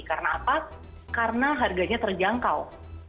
karena apa karena harganya terjangkau